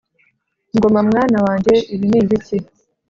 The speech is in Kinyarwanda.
Ngoma mwana wanjye ibi ni ibiki?»